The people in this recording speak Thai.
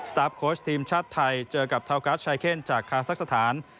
สตาร์ฟโคชทีมชาติไทยเจอกับเทากัสชายเข้นจากคาสักสถาน